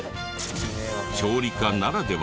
調理科ならでは。